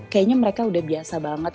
kayaknya mereka udah biasa banget